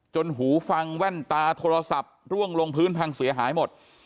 หูฟังแว่นตาโทรศัพท์ร่วงลงพื้นพังเสียหายหมด